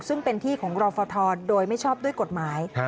ซึ่งเป็นที่ของรอฟทโดยไม่ชอบด้วยกฎหมาย